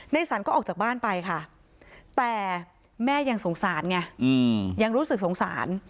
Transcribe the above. สันก็ออกจากบ้านไปค่ะแต่แม่ยังสงสารไงยังรู้สึกสงสาร